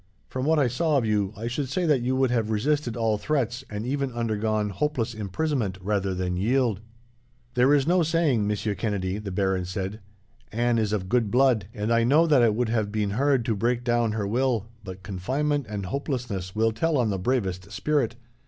From what I saw of you, I should say that you would have resisted all threats, and even undergone hopeless imprisonment, rather than yield." "There is no saying, Monsieur Kennedy," the baron said. "Anne is of good blood, and I know that it would have been hard to break down her will, but confinement and hopelessness will tell on the bravest spirit.